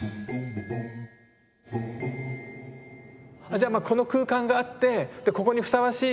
じゃあまあこの空間があってここにふさわしい